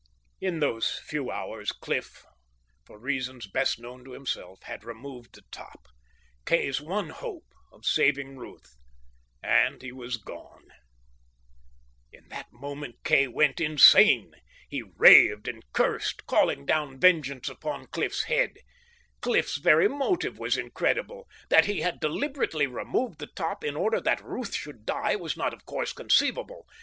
In those few hours Cliff, for reasons best known to himself, had removed the top, Kay's one hope of saving Ruth. And he was gone. In that moment Kay went insane. He raved and cursed, calling down vengeance upon Cliff's head. Cliff's very motive was incredible. That he had deliberately removed the top in order that Ruth should die was not, of course, conceivable.